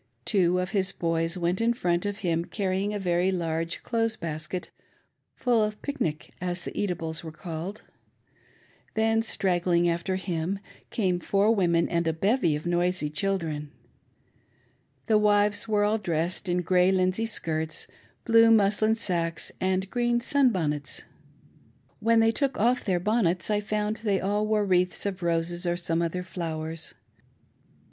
Two of his boys went in front of him, carrying a very large clothes basket full of "pic nic," as the eatables were called. Then, "the woman in white!" 497 striaggling after him, came four women and a bevy of noisy children. The wives were all dressed in grey linsey skirts^ blue muslin sacques, and green sunbonnets. When they took off their bonnets I found that they all wore wreaths of roses or some other flowers.